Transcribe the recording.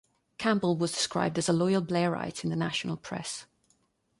Campbell was described as a "loyal Blairite" in the national press.